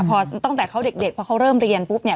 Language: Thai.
พอตั้งแต่เขาเด็กเพราะเขาเริ่มเรียนปุ๊บเนี่ย